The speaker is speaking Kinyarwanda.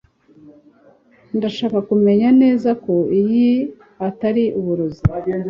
Ndashaka kumenya neza ko iyi atari uburozi